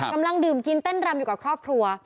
กำลังดื่มกินเต้นรำอยู่กับครอบครัว